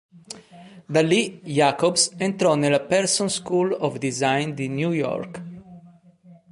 Da lì, Jacobs entrò nella Parsons School of Design di New York.